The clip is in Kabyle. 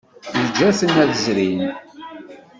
Yeǧǧa-ten ad zrin.